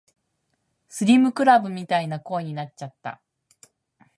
スリムクラブみたいな声になっちゃった